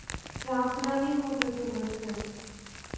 রাজরানী হতে চলেছেন!